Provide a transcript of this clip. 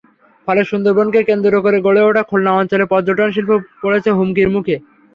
ফলে সুন্দরবনকে কেন্দ্র করে গড়ে ওঠা খুলনা অঞ্চলের পর্যটনশিল্প পড়েছে হুমকির মুখে।